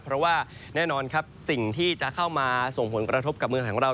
เพราะว่าแน่นอนครับสิ่งที่จะเข้ามาส่งผลกระทบกับเมืองไทยของเรา